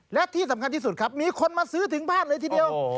และที่สำคัญที่สุดครับมีคนมาซื้อถึงบ้านเลยทีเดียว